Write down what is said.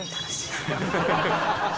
「ハハハハ！」